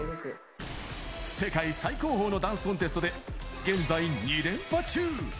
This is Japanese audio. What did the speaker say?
世界最高峰のダンスコンテストで現在、２連覇中。